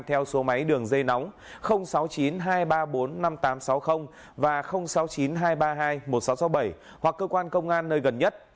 theo số máy đường dây nóng sáu mươi chín hai trăm ba mươi bốn năm nghìn tám trăm sáu mươi và sáu mươi chín hai trăm ba mươi hai một nghìn sáu trăm sáu mươi bảy hoặc cơ quan công an nơi gần nhất